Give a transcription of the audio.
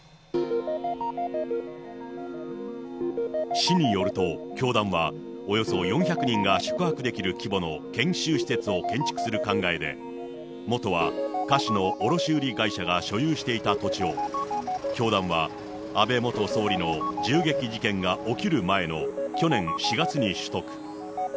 市によると、教団は、およそ４００人が宿泊できる規模の研修施設を建築する考えで、元は菓子の卸売り会社が所有していた土地を、教団は安倍元総理の銃撃事件が起きる前の去年４月に取得。